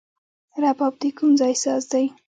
رباب د کوم ځای ساز دی؟